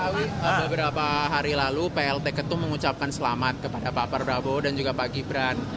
pak beberapa hari lalu plt ketum mengucapkan selamat kepada pak prabowo dan juga pak gibran